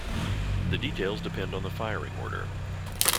The details depend on the firing order.